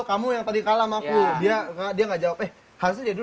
kamu yang tadi kalah maksudnya dia nggak jawab